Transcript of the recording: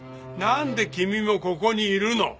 なんで君もここにいるの？